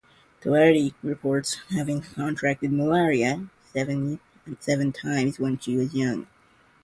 Tewari reports having contracted malaria seven times when she was young.